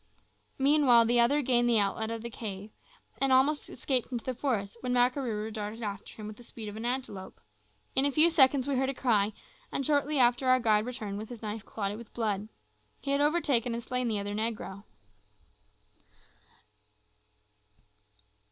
Meanwhile, the other gained the outlet of the cave, and had almost escaped into the forest, when Makarooroo darted after him with the speed of an antelope. In a few seconds we heard a cry, and shortly after our guide returned with his knife clotted with blood. He had overtaken and slain the other negro.